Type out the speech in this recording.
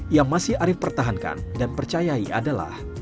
yang masih arief pertahankan dan percayai adalah